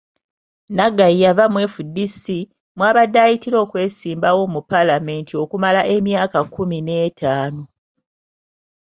Naggayi yava mu FDC, mw'abadde ayitira okwesimbawo mu Paalamenti okumala emyaka kkumi n'etaano.